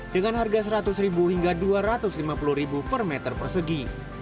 dengan harga rp seratus hingga rp dua ratus lima puluh per meter persegi